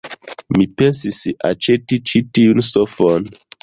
Mi pensis aĉeti ĉi tiun sofon.